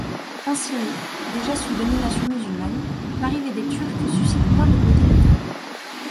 En Syrie, déjà sous domination musulmane, l'arrivée des Turcs suscite moins de brutalité.